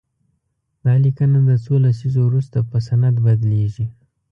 دا لیکنه د څو لسیزو وروسته په سند بدليږي.